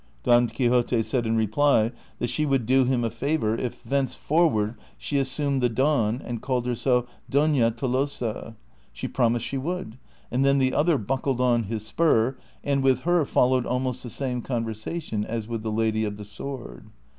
Don Quixote said in reply that she would do him a favor if thenceforward she assumed the " Don " and called herself Doiia Tolosa. She promised she would, and then the other buckled on his spur, and with her followed almost the same conversation as with the lady of the sword.